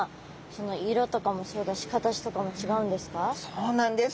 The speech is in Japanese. そうなんです！